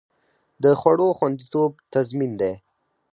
د خوړو خوندیتوب تضمین دی؟